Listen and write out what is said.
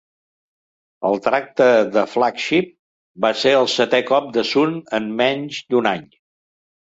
El tracte de Flagship va ser el setè cop de Sun en menys d'un any.